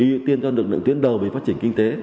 ưu tiên cho lực lượng tuyến đầu về phát triển kinh tế